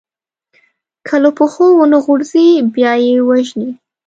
که له پښو ونه غورځي، بیا يې وژني.